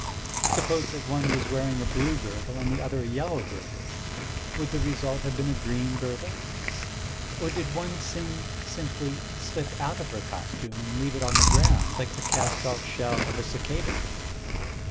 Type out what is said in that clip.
Suppose that one was wearing a blue girdle, and the other a yellow girdle, would the result have been a green girdle?... Or did one Ts'ing simply slip out of her costume, and leave it on the ground, like the cast off shell of a cicada?"